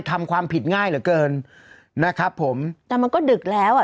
ทำความผิดง่ายเหลือเกินนะครับผมแต่มันก็ดึกแล้วอ่ะ